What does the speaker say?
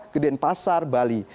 ke denpasar bali